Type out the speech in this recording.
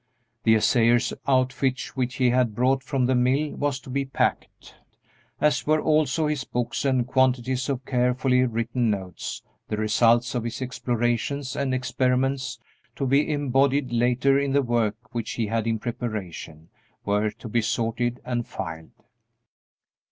The assayer's outfit which he had brought from the mill was to be packed, as were also his books, and quantities of carefully written notes, the results of his explorations and experiments, to be embodied later in the work which he had in preparation, were to be sorted and filed.